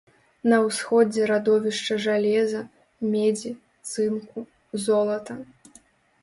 На усходзе радовішча жалеза, медзі, цынку, золата.